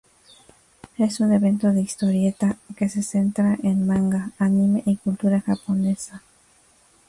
Es un evento de historieta que se centra en manga, anime y cultura japonesa.